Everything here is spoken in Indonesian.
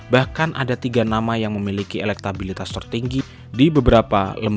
bahkan ada tiga nama yang memiliki elektabilitas tertinggi di beberapa lembaga